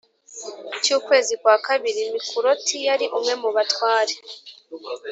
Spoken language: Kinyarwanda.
cy ukwezi kwa kabiri Mikuloti yari umwe mu batware